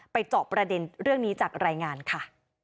เจาะประเด็นเรื่องนี้จากรายงานค่ะ